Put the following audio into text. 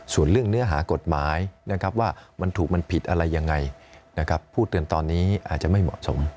ส่วนเรื่องเนื้อหากฎหมายนะครับว่ามันถูกมันผิดอะไรยังไงนะครับพูดเตือนตอนนี้อาจจะไม่เหมาะสม